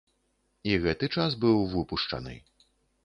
І гэты час быў выпушчаны.